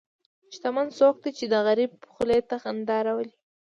شتمن څوک دی چې د غریب خولې ته خندا راولي.